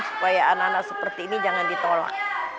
supaya anak anak seperti ini jangan ditolak